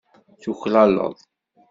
Tuklaleḍ.